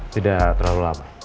tidak terlalu lama